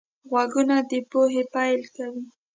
غوږونه د پوهې پیل کوي